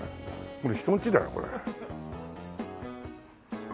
これ人ん家だよこれ。